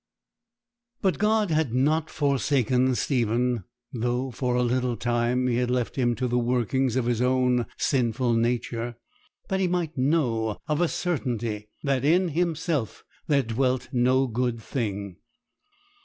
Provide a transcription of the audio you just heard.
But God had not forsaken Stephen; though, for a little time, He had left him to the working of his own sinful nature, that he might know of a certainty that in himself there dwelt no good thing.